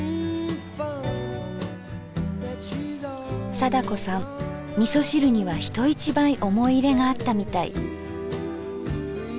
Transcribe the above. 貞子さんみそ汁には人一倍思い入れがあったみたい。